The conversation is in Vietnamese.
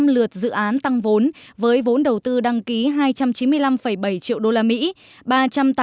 năm lượt dự án tăng vốn với vốn đầu tư đăng ký hai trăm chín mươi năm bảy triệu usd